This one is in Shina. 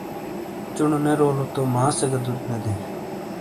چونو نے رولو تو ماں سے گہ دُوت نے دئیی ۔